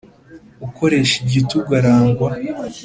ukoresha igitugu arangwa.